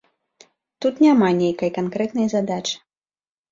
Тут няма нейкай канкрэтнай задачы.